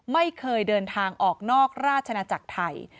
ไม่เคยเดินทางออกนอกราชนาจักรไทย